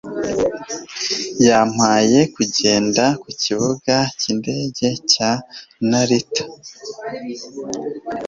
Yampaye kugenda ku kibuga cy'indege cya Narita.